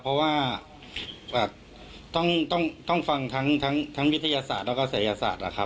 เพราะว่าต้องฟังทั้งวิทยาศาสตร์แล้วก็ศัยศาสตร์นะครับ